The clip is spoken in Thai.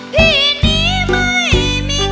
พี่นี้ไม่มีเงินทอง